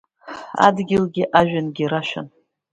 Адгьылгьы ажәҩангьы ирашәан…